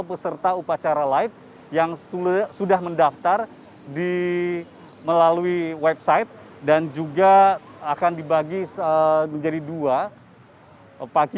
peserta upacara live yang sudah mendaftar melalui website dan juga akan dibagi menjadi dua pagi